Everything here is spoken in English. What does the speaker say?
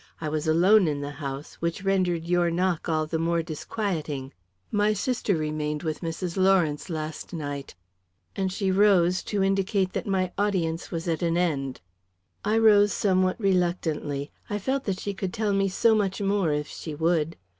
I was alone in the house which rendered your knock all the more disquieting. My sister remained with Mrs. Lawrence last night," and she rose to indicate that my audience was at an end. I rose somewhat reluctantly. I felt that she could tell me so much more, if she would.